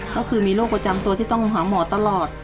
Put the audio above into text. ก็คือมีโรคประจำตัวที่ต้องหาหมอตลอด